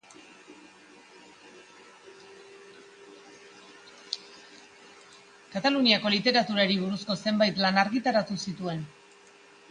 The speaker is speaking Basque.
Kataluniako literaturari buruzko zenbait lan argitaratu zituen.